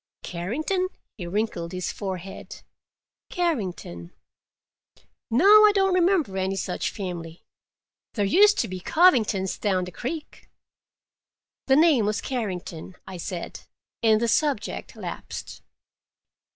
"Carrington?" He wrinkled his forehead. "Carrington? No, I don't remember any such family. There used to be Covingtons down the creek." "The name was Carrington," I said, and the subject lapsed.